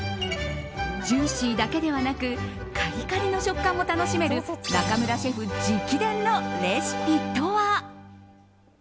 ジューシーだけではなくカリカリの食感も楽しめる中村シェフ直伝のレシピとは。